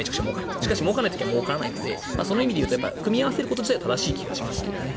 でも、もうからない時はもうからないのでその意味で言うと組み合わせること自体は正しいと思いますけどね。